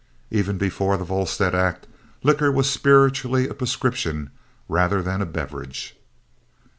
Even before the Volstead act liquor was spiritually a prescription rather than a beverage.